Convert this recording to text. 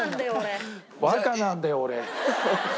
「バカなんだよ俺」。